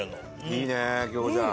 いいね京子ちゃん。